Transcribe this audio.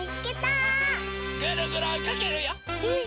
ぐるぐるおいかけるよ！